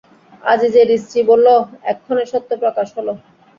আযীযের স্ত্রী বলল, এক্ষণে সত্য প্রকাশ হল।